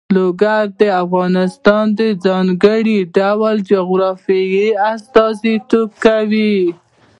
لوگر د افغانستان د ځانګړي ډول جغرافیه استازیتوب کوي.